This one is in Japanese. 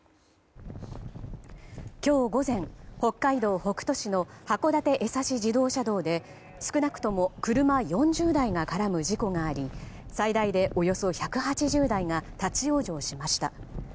今日午前、北海道北斗市の函館江差自動車道で少なくとも車４０台が絡む事故があり最大でおよそ１８０台が立ち往生しました。